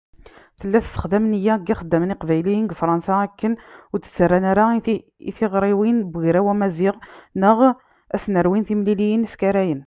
Tella tessexdam nniya n yixeddamen iqbayliyen deg Fṛansa akken ur d-ttarran ara i tiɣriwin n Ugraw Amaziɣ neɣ ad s-nerwin timliliyin iskarayen.